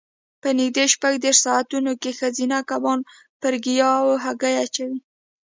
په نږدې شپږ دېرش ساعتو کې ښځینه کبان پر ګیاوو هګۍ اچوي.